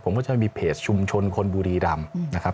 ผมก็จะมีเพจชุมชนคนบุรีรำนะครับ